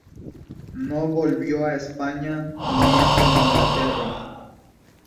No volvió a España, muriendo en Inglaterra.